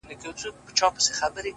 د زړه لاسونه مو مات !! مات سول پسي!!